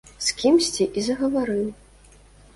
З кімсьці і загаварыў!